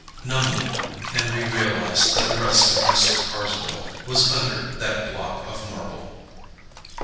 Numbly, Henry realized that the rest of Mr. Carsville was under that block of marble.